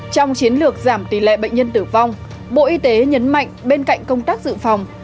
trong chiến lược giảm tỷ lệ bệnh nhân tử vong bộ y tế nhấn mạnh bên cạnh công tác dự phòng